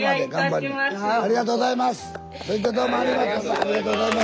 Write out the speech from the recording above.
ありがとうございます。